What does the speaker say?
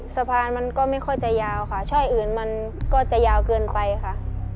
สะพานมันก็ไม่ค่อยจะยาวค่ะช่อยอื่นมันก็จะยาวเกินไปค่ะ